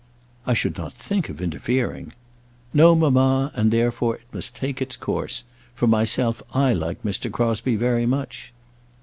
"I should not think of interfering." "No, mamma; and therefore it must take its course. For myself, I like Mr. Crosbie very much."